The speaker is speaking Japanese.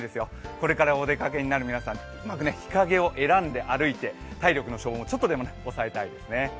これからお出かけになる皆さん、うまく日陰を選んで歩いて体力の消耗をちょっとでも抑えたいですね。